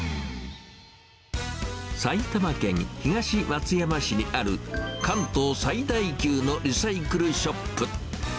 埼玉県東松山市にある関東最大級のリサイクルショップ。